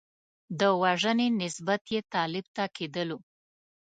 د وژنې نسبیت یې طالب ته کېدلو.